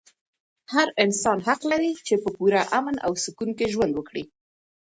هر انسان حق لري چې په پوره امن او سکون کې ژوند وکړي.